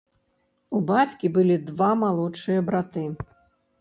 У бацькі былі два малодшыя браты.